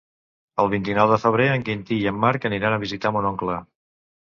El vint-i-nou de febrer en Quintí i en Marc aniran a visitar mon oncle.